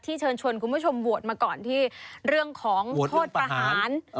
เชิญชวนคุณผู้ชมโหวตมาก่อนที่เรื่องของโทษประหาร